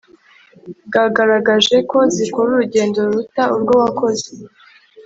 bwagaragaje ko zikora urugendo ruruta urwo wakoze